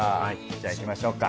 じゃあいきましょうか。